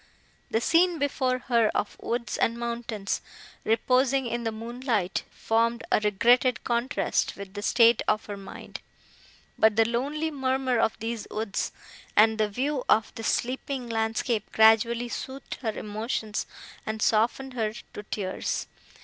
The scene before her of woods and mountains, reposing in the moonlight, formed a regretted contrast with the state of her mind; but the lonely murmur of these woods, and the view of this sleeping landscape, gradually soothed her emotions and softened her to tears.